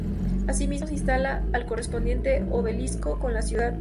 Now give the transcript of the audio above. Asimismo, se instala el correspondiente obelisco en la ciudad.